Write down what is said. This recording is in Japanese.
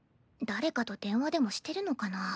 誰かと電話でもしてるのかな？